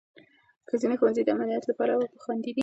ښځینه ښوونځي د امنیت له پلوه خوندي وي.